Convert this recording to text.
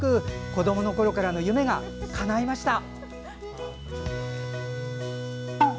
子どものころからの夢がかないました。